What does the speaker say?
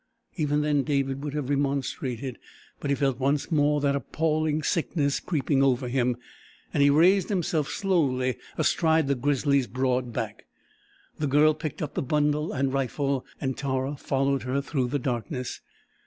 Even then David would have remonstrated but he felt once more that appalling sickness creeping over him, and he raised himself slowly astride the grizzly's broad back. The Girl picked up the bundle and rifle and Tara followed her through the darkness.